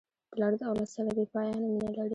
پلار د اولاد سره بېپایانه مینه لري.